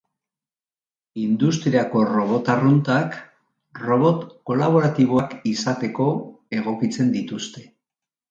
Industriako robot arruntak robot kolaboratiboak izateko egokitzen dituzte.